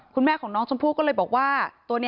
คุณแม่ของชมพูว่า